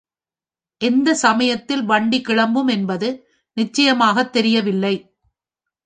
எந்தச் சமயத்தில் வண்டி கிளம்பும் என்பது நிச்சயமாகத் தெரியவில்லை.